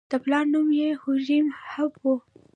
د پلار نوم یې هوریم هب و.